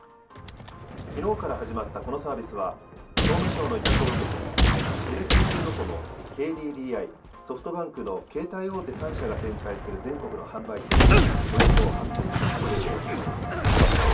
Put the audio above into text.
きのうから始まったこのサービスは、総務省の委託を受けて、ＮＴＴドコモ、ＫＤＤＩ、ソフトバンクの携帯大手３社が展開する全国の販売店、およそ８０００店舗で受けることができます。